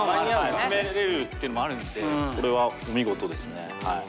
詰められるっていうのもあるんでこれは見事ですね。